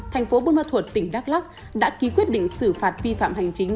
thành phố bôn ma thuột tỉnh đắk lắc đã ký quyết định xử phạt vi phạm hành chính